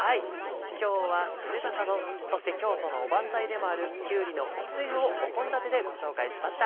今日は「衣笠丼」そして京都のおばんざいでもある「きゅうりのお汁」を献立でご紹介しました。